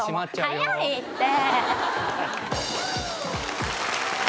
早いって。